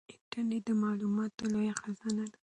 انټرنیټ د معلوماتو لویه خزانه ده.